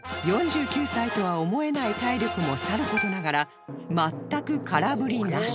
４９歳とは思えない体力もさる事ながら全く空振りなし